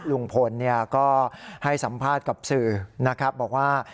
ลุงพลก็ให้สัมภาษณ์กับสื่อนะครับบอกว่า